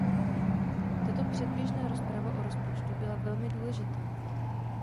Tato předběžná rozprava o rozpočtu byla velmi důležitá.